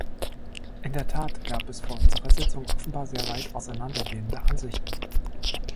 In der Tat gab es vor unserer Sitzung offenbar sehr weit auseinandergehende Ansichten.